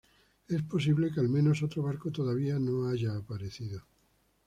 Es posible que al menos otro barco todavía no haya aparecido.